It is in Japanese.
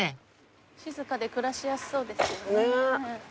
静かで暮らしやすそうですけどね。